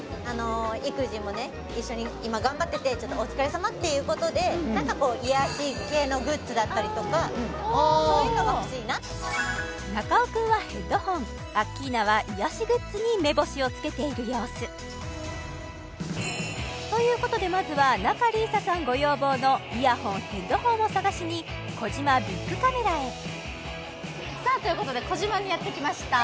育児もね一緒に今頑張っててちょっとお疲れさまっていうことで癒し系のグッズだったりとかそういうのが欲しいな中尾君はヘッドホンアッキーナは癒しグッズに目星を付けている様子ということでまずは仲里依紗さんご要望のイヤホンヘッドホンを探しにコジマ×ビックカメラへさあということでコジマにやってきました